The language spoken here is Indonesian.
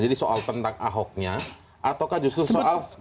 jadi soal tentang ahoknya ataukah justru soal